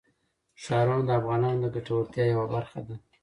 ښارونه د افغانانو د ګټورتیا یوه برخه ده.